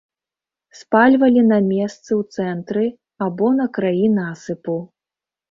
Спальвалі на месцы ў цэнтры або на краі насыпу.